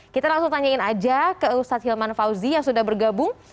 kita langsung tanyain aja ke ustadz hilman fauzi yang sudah bergabung